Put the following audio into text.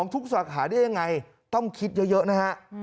สาขาได้ยังไงต้องคิดเยอะนะฮะ